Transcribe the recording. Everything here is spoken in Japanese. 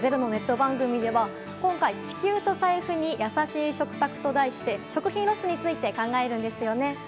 番組では今回は「地球とサイフにやさしい食卓」と題して食品ロスについて考えるんですよね？